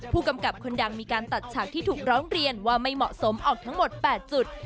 ผู้กำกับคนดังมีการตัดฉากที่ถูกร้องเรียนว่าไม่เหมาะสมออกทั้งหมด๘จุด